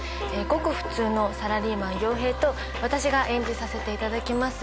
ごく普通のサラリーマン陽平と私が演じさせて頂きます